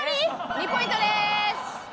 ２ポイントです！